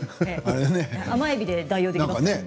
甘えびで代用できます。